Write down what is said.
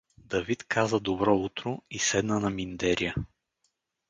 Давид каза „добро утро“ и седна на миндеря.